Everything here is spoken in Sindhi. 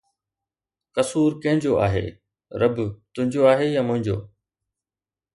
قصور ڪنهن جو آهي، رب، تنهنجو آهي يا منهنجو؟